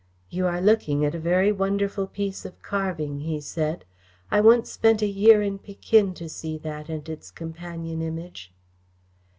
"You are looking at a very wonderful piece of carving," he said. "I once spent a year in Pekin to see that and its companion Image."